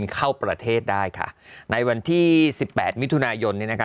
เข้าประเทศได้ค่ะในวันที่สิบแปดมิถุนายนเนี่ยนะคะ